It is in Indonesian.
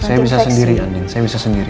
saya bisa sendiri andin saya bisa sendiri